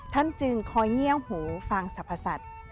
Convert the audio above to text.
ท่านจึงคอยเงียบหูฟังศรัพทศัตริย์